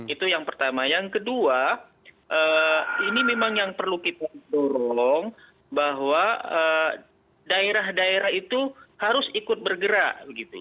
itu yang pertama yang kedua ini memang yang perlu kita dorong bahwa daerah daerah itu harus ikut bergerak